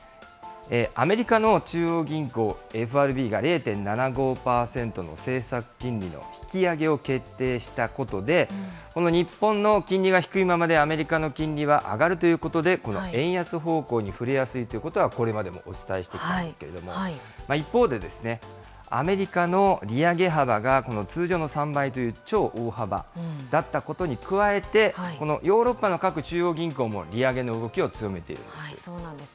アメリカの中央銀行ＦＲＢが０．７５％の政策金利の引き上げを決定したことで、この日本の金利が低いままで、アメリカの金利は上がるということで、この円安方向に振れやすいということは、これまでもお伝えしてきたんですけれども、一方で、アメリカの利上げ幅が、この通常の３倍という超大幅だったことに加えて、このヨーロッパの各中央銀行も利上げの動きを強めているんです。